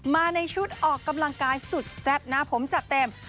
มาในชุดออกกำลังกายสุดแซ่บหน้าผมจัดเต็ม